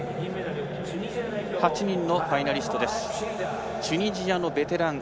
８人のファイナリスト。